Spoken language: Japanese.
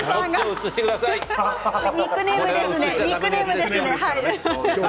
ニックネームですので。